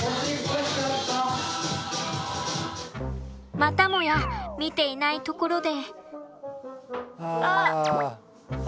またもや見ていないところで。